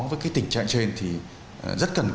với tình trạng trên thì rất cần